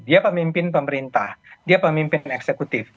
dia pemimpin pemerintah dia pemimpin eksekutif